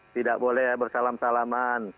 tidak boleh bersalam salaman